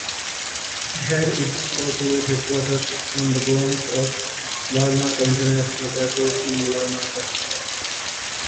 It had its corporate headquarters on the grounds of Larnaca International Airport in Larnaca.